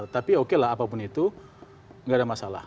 tapi oke lah apapun itu nggak ada masalah